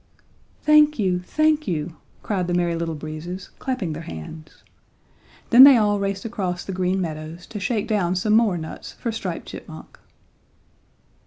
"Thank you, thank you," cried the Merry Little Breezes, clapping their hands. Then they all raced across the Green Meadows to shake down some more nuts for Striped Chipmunk.